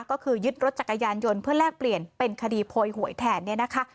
ก็คือยึดรถจักรยานยนต์เพื่อแลกเปลี่ยนเป็นคดีโพยหวยแทนเนี่ยนะคะ